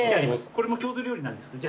これも郷土料理なんですけど。